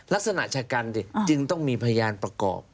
ลักษณะชะกันจึงต้องมีพยานประกอบ